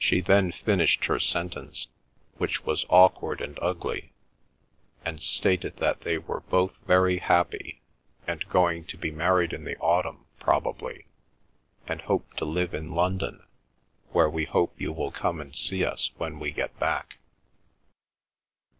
She then finished her sentence, which was awkward and ugly, and stated that they were "both very happy, and going to be married in the autumn probably and hope to live in London, where we hope you will come and see us when we get back."